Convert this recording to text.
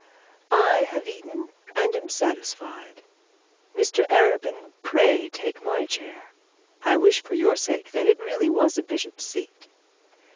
'I have eaten and am satisfied; Mr Arabin, pray take my chair. I wish for your sake, it really was a bishop's seat.'